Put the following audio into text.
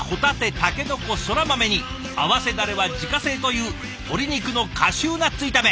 竹の子そら豆に合わせだれは自家製という鶏肉のカシューナッツ炒め。